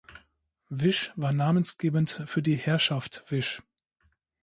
Wisch war namensgebend für die "Herrschaft Wisch".